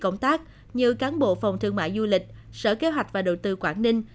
công tác như cán bộ phòng thương mại du lịch sở kế hoạch và đầu tư quảng ninh